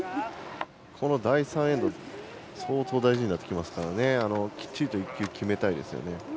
第３エンドは相当大事になりますからきっちりと１球決めたいですよね。